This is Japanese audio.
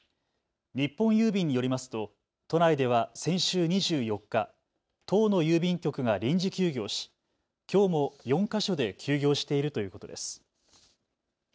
日本郵便によりますと都内では先週２４日、１０の郵便局が臨時休業しきょうも４か所で休業しているということです。